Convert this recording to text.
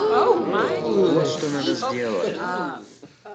Вот что надо сделать!